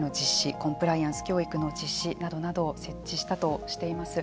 コンプライアンス教育の実施などなどを設置したとしています。